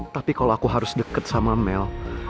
tapi kalau aku harus dekat sama mel